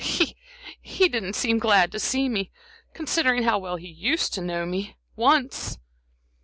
"He he didn't seem glad to see me, considering how well he used to know me once."